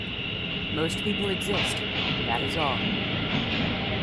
Most people exist, that is all.